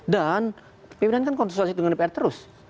dan pimpinan kan konsultasi dengan dpr terus